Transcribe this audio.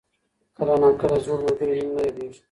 کله ناکله زوړ ملګری نوم نه یادېږي.